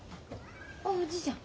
あっおじいちゃん。